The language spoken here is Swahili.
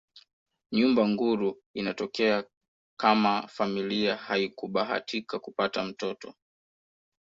Nyumba nguru inatokea kama familia haikubahatika kupata mtoto